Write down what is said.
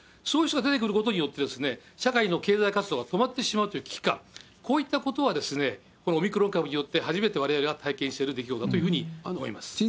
そういう人が出てくることによって、社会の経済活動が止まってしまうという危機感、こういったことはこのオミクロン株によって、初めてわれわれが体験してる出来事だというふうに思います。